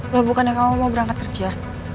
lo bukan yang kamu mau berangkat kerja